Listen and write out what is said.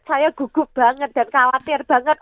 saya gugup banget dan khawatir banget